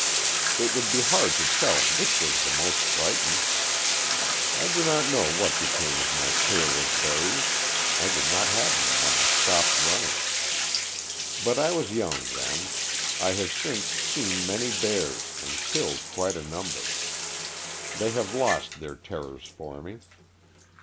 It would be hard to tell which was the most frightened. I do not know what became of my pail of berries. I did not have them when I stopped running. But I was young then. I have since seen many bears and killed quite a num ber. They have lost.their terrors for me.